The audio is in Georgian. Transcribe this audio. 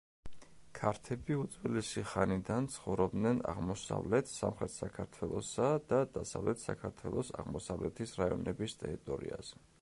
ქართები უძველესი ხანიდან ცხოვრობდნენ აღმოსავლეთ, სამხრეთ საქართველოსა და დასავლეთ საქართველოს აღმოსავლეთის რაიონების ტერიტორიაზე.